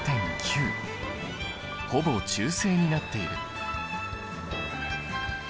ほぼ中性になっている。